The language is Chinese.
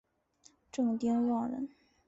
郑丁旺人。